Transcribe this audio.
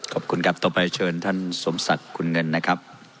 ขอบคุณครับต่อไปเชิญท่านสมศักดิ์คุณเงินนะครับ